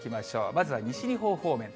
まずは西日本方面。